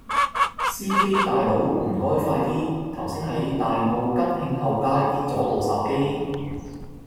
司機大佬唔該快啲，頭先喺大澳吉慶後街跌左部手機